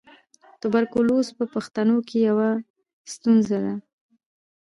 تربورګلوي په پښتنو کې یوه ستونزه ده.